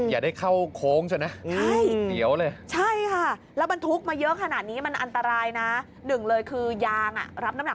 อยากจะเข้าโขงเสียนะ